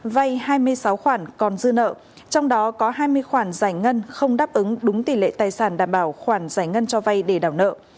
vay hai mươi sáu khoản còn dư nợ trong đó có hai mươi khoản giải ngân không đáp ứng đúng tỷ lệ tài sản đảm bảo khoản giải ngân cho vay để đảo nợ